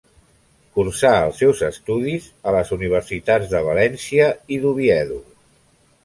Cursà els seus estudis en les universitats de València i d'Oviedo.